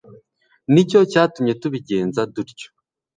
ni cyo cyatumye tubigenza dutyo